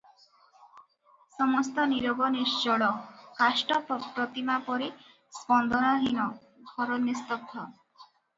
ସମସ୍ତ ନୀରବ ନିଶ୍ଚଳ, କାଷ୍ଠ ପ୍ରତିମା ପରି ସ୍ପନ୍ଦନହୀନ, ଘର ନିସ୍ତବ୍ଧ ।